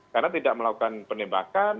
karena tidak melakukan penembakan